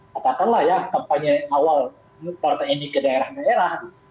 katakanlah ya kampanye awal partai ini ke daerah daerah